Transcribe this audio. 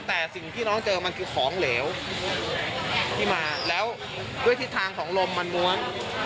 แต่สิ่งที่น้องเจอมันคือของเหลวที่มาแล้วด้วยทิศทางของลมมันม้วน